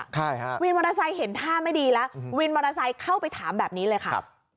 ใช่ฮะวินมอเตอร์ไซค์เห็นท่าไม่ดีแล้ววินมอเตอร์ไซค์เข้าไปถามแบบนี้เลยค่ะครับ